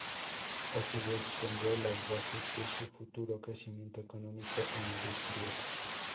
A su vez, sembró las bases de su futuro crecimiento económico e industrial.